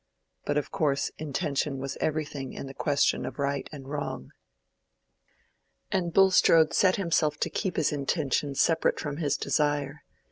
But of course intention was everything in the question of right and wrong. And Bulstrode set himself to keep his intention separate from his desire.